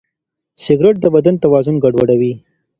سګریټ د بدن توازن ګډوډوي.